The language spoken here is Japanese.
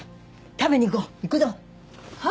食べに行こう行くぞは？